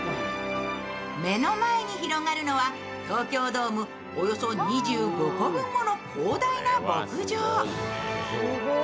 目の前に広がるのは東京ドームおよそ２５個分もの広大な牧場。